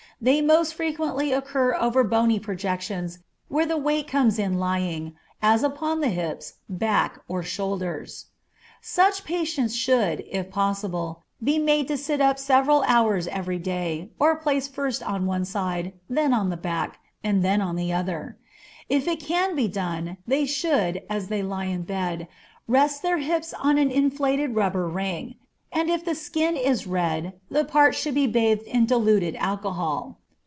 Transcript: They most frequently occur over bony projections where the weight comes in lying, as upon the hips, back, or shoulders. Such patients, should, if possible, be made to sit up several hours every day, or placed first on one side, then on the back, and then on the other side. If it can be done, they should, as they lie in bed, rest their hips on an inflated rubber ring, and if the skin is red the part should be bathed in diluted alcohol.